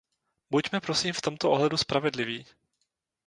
Buďme prosím v tomto ohledu spravedliví.